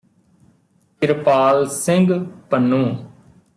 Kirpal Singh Pannu